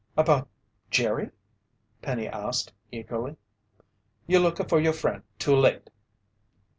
"About Jerry?" Penny asked eagerly. "You looka for your friend too late!"